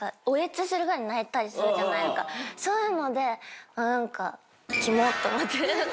そういうので何か。って思って。